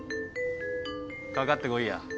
かかってこいや